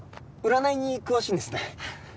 占いに詳しいんですね。